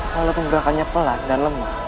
walaupun gerakannya pelan dan lembut